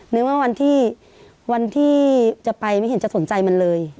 นึกว่าวันที่จะไปไม่เห็นจะสนใจมันเลย